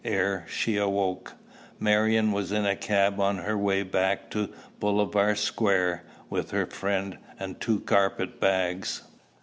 Ere she awoke, Marion was in a cab on her way back to Bolivar Square, with her friend and two carpet bags.